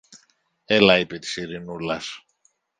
Έλα, είπε της Ειρηνούλας.